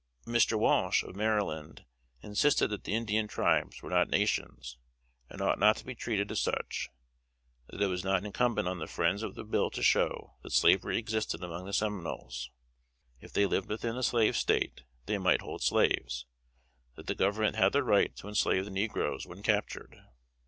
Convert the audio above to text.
Mr. Walsh, of Maryland, insisted that the Indian tribes were not nations, and ought not to be treated as such; that it was not incumbent on the friends of the bill to show that slavery existed among the Seminoles; if they lived within a slave State, they might hold slaves; that the Government had the right to enslave the negroes when captured.